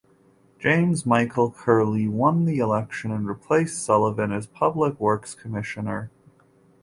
James Michael Curley won the election and replaced Sullivan as Public Works Commissioner.